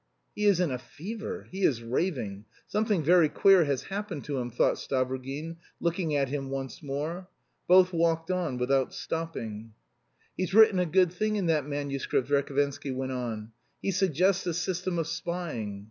"He is in a fever; he is raving; something very queer has happened to him," thought Stavrogin, looking at him once more. Both walked on without stopping. "He's written a good thing in that manuscript," Verhovensky went on. "He suggests a system of spying.